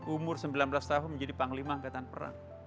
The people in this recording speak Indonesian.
umur sembilan belas tahun menjadi panglima angkatan perang